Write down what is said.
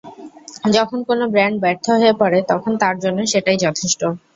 যখন কোনো ব্র্যান্ড ব্যর্থ হয়ে পড়ে, তখন তার জন্য সেটাই যথেষ্ট।